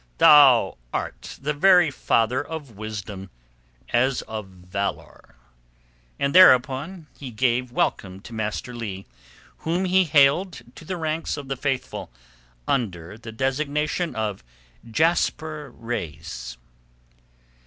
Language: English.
"Thou art the very father of wisdom as of valour." And thereupon he gave welcome to Master Leigh, whom he hailed to the ranks of the Faithful under the designation of Jasper Reis.